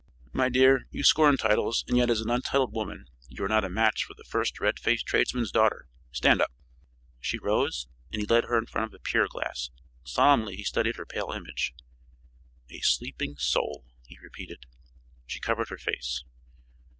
"My dear, you scorn titles, and yet as an untitled woman you are not a match for the first red faced tradesman's daughter. Stand up!" She rose and he led her in front of a pier glass. Solemnly he studied her pale image. "A sleeping soul!" he repeated. She covered her face.